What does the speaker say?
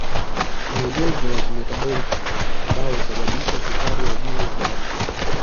Ni ugonjwa wa kimetaboliki ambao husababisha sukari ya juu ya damu